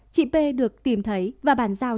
chị p được tìm thấy và bàn giao